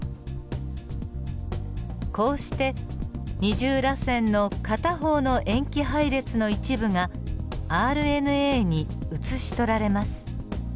こうして二重らせんの片方の塩基配列の一部がＲＮＡに写し取られます。